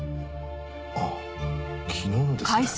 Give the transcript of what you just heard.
あっ昨日のですね。